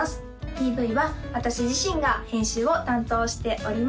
ＰＶは私自身が編集を担当しております